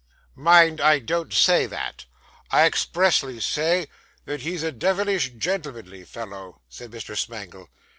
Mind, I don't say that; I expressly say that he's a devilish gentlemanly fellow,' said Mr. Smangle.